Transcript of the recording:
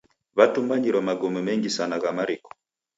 W'atumbanyire magome mengi sana gha mariko.